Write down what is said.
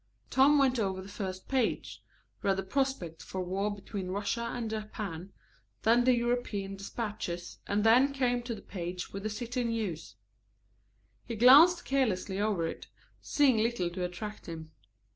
Tom went over the first page, read the prospects for war between Russia and Japan, then the European despatches, and then came to the page with the city news. He glanced carelessly over it, seeing little to attract him.